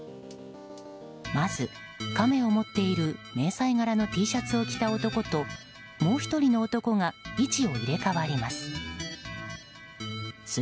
まず、カメを持っている迷彩柄のＴシャツを着た男ともう１人の男が位置を入れ替わります。